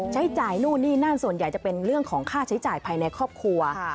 ใช้จ่ายนู่นนี่นั่นส่วนใหญ่จะเป็นเรื่องของค่าใช้จ่ายภายในครอบครัว